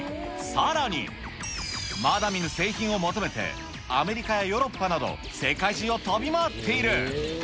さらに、まだ見ぬ製品を求めて、アメリカやヨーロッパなど世界中を飛び回っている。